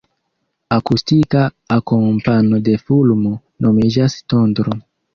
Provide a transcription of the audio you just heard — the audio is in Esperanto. Akustika akompano de fulmo nomiĝas tondro.